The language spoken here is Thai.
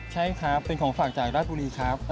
ใช่ครับเป็นของฝากจากราชบุรีครับ